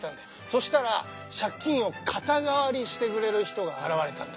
そしたら借金を肩代わりしてくれる人が現れたんだ。